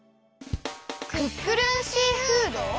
クックルンシーフード！